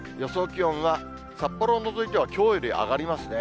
気温は、札幌を除いては、きょうより上がりますね。